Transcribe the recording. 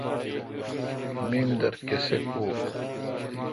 میمدر کسے کو°